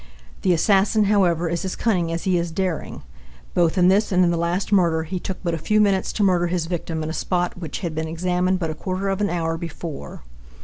The assassin, however, is as cunning as he is daring. Both in this and in the last murder he took but a few minutes to murder his victim in a spot which had been examined but a quarter of an hour before.